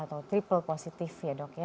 atau triple positif ya dok ya